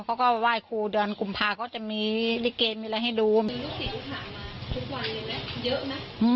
เขาก็ไหว้ครูเดือนกุมภาก็จะมีลิเกมีอะไรให้ดูหามาทุกวันเลยนะเยอะนะ